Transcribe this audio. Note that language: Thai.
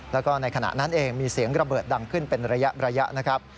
แล้วก็ในขณะนั้นเองมีเสียงระเบิดดังขึ้นเป็นระยะนะครับ